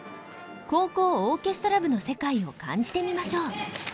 高校オーケストラ部の世界を感じてみましょう。